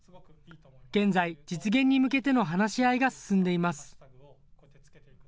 現在、実現に向けての話し合いが進んでいます。